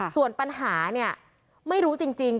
ส่วนปัญหาเนี่ยไม่รู้จริง